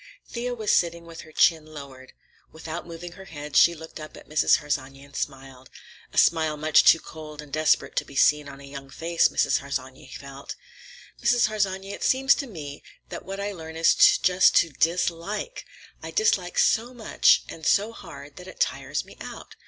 Thea was sitting with her chin lowered. Without moving her head she looked up at Mrs. Harsanyi and smiled; a smile much too cold and desperate to be seen on a young face, Mrs. Harsanyi felt. "Mrs. Harsanyi, it seems to me that what I learn is just to dislike. I dislike so much and so hard that it tires me out.